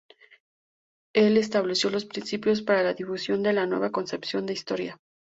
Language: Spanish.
El estableció los principios para la difusión de la nueva concepción de historia.